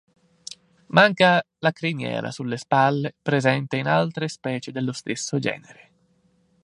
Manca la criniera sulle spalle presente in altre specie dello stesso genere.